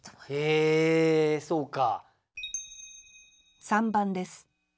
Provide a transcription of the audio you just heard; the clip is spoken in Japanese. へえそうか。